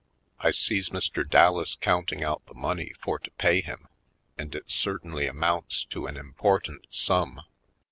I sees Mr. Dallas counting out the money for to pay him, and it certainly amounts to an impor tant sum.